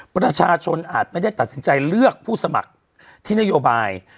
ประชาชนอาจไม่ได้ตัดสินใจเลือกผู้สมัครที่นโยบาย